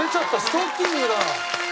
ストッキングだ。